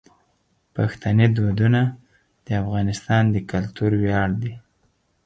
پښتني دودونه د افغانستان د کلتور ویاړ دي.